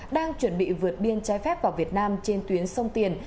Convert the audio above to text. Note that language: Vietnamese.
đang chuẩn bị vượt biên trái phép vào việt nam trên tuyến sông tiền